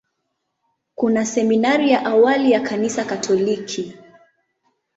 Kuna seminari ya awali ya Kanisa Katoliki.